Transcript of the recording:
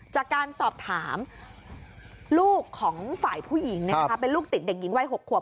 จากการสอบถามลูกของฝ่ายผู้หญิงเป็นลูกติดเด็กหญิงวัย๖ขวบ